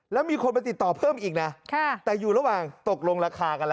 แล้วมีคนมาติดต่อเพิ่มอีกนะแต่อยู่ระหว่างตกลงราคากันแล้ว